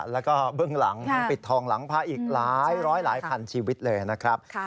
แล้วก็เบื้องหลังปิดทองหลังพระอีกหลายร้อยหลายพันชีวิตเลยนะครับ